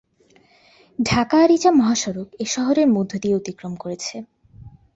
ঢাকা আরিচা মহাসড়ক এ শহরের মধ্যদিয়ে অতিক্রম করেছে।